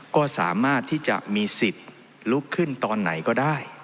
ก็สามารถที่จะมีสิทธิ์ลุกขึ้นตอนไหนก็ได้